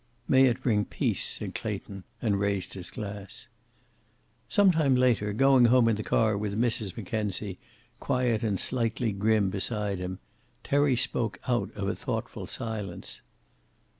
"May it bring peace," said Clayton, and raised his glass. Some time later going home in the car with Mrs. Mackenzie, quiet and slightly grim beside him, Terry spoke out of a thoughtful silence.